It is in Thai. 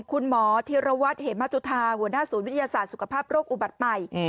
คุณหมอธีรวัตรเหมจุธาหัวหน้าศูนย์วิทยาศาสตร์สุขภาพโรคอุบัติใหม่